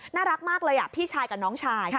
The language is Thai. น่ารักมากเลยพี่ชายกับน้องชาย